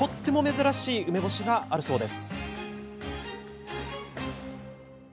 こちらには、とっても珍しい梅干しがあるそうです。